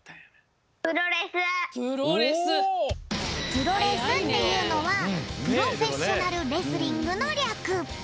プロレスっていうのはプロフェッショナルレスリングのりゃく。